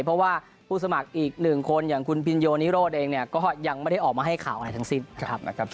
เพราะว่าผู้สมัครอีก๑คนอย่างคุณพินโยนิโรธเองเนี่ยก็ยังไม่ได้ออกมาให้ข่าวอะไรทั้งสิ้นนะครับ